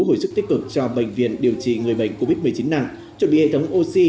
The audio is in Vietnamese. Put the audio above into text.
hồi sức tích cực cho bệnh viện điều trị người bệnh covid một mươi chín nặng chuẩn bị hệ thống oxy